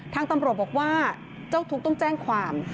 ทางตำรวจบอกว่าเจ้าทุกข์ต้องแจ้งความ